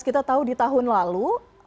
kita tahu di tahun lalu